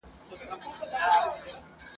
کله به خدایه بیا کندهار وي ..